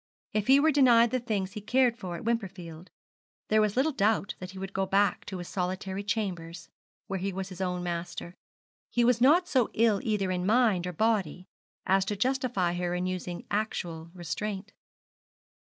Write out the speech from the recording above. If he were denied the things he cared for at Wimperfield, there was little doubt that he would go back to his solitary chambers, where he was his own master. He was not so ill either in mind or body as to justify her in using actual restraint.